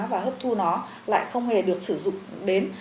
và hấp thu nó lại không hề được sử dụng đến